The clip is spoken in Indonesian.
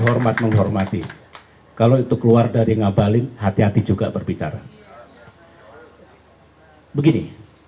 hormat menghormati kalau itu keluar dari ngabalin hati hati juga berbicara begini